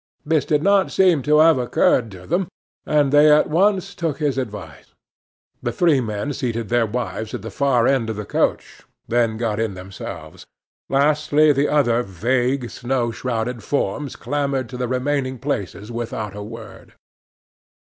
This did not seem to have occurred to them, and they at once took his advice. The three men seated their wives at the far end of the coach, then got in themselves; lastly the other vague, snow shrouded forms clambered to the remaining places without a word.